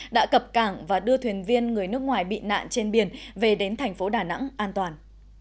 đã cập cảng và đưa thuyền viên người nước ngoài bị nạn trên biển về đến thành phố đà nẵng an toàn